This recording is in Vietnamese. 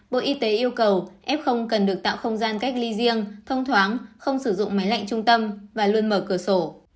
bộ y tế yêu cầu f cần được tạo không gian cách ly riêng thông thoáng không sử dụng máy lạnh trung tâm và luôn mở cửa sổ